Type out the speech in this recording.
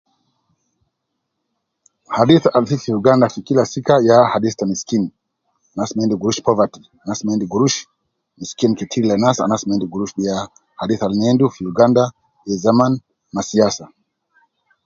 Hadith al fifi uganda fi kila sika ya hadith ta miskin, nas ma endi gurush poverty, nas ma endi gurush, miskin ketir ne nas ,anas ma endi gurush, de ya hadith al ne endi fi uganda fi zaman ma siasa